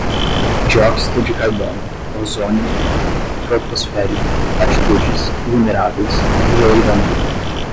dióxido de carbono, ozônio troposférico, latitudes, vulneráveis, joeirando